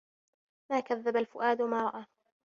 ما كَذَبَ الفُؤادُ ما رَأى